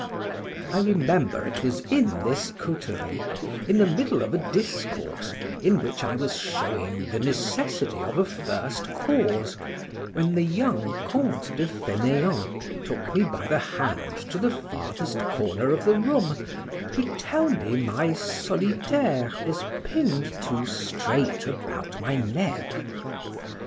I remember it was in this coterie, in the middle of a discourse, in which I was showing the necessity of a first cause, when the young Count de Faineant took me by the hand to the farthest corner of the room, to tell me my solitaire was pinn'd too straight about my neck.